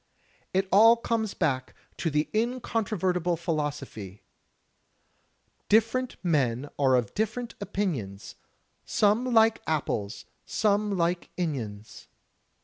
It all comes back to the incontrovertible philosophy: "Different men are of different opinions, Some like apples, some like inions."